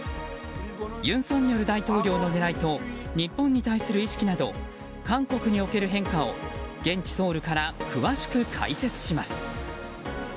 尹錫悦大統領の狙いと日本に対する意識など韓国における変化を現地ソウルから詳しく解説します。